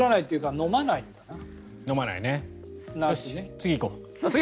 次行こう。